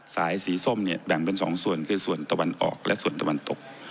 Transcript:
สายสีส้มเนี่ยแบ่งเป็น๒ส่วนคือส่วนตะวันออกและส่วนตะวันตก